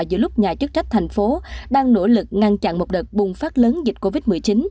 giữa lúc nhà chức trách thành phố đang nỗ lực ngăn chặn một đợt bùng phát lớn dịch covid một mươi chín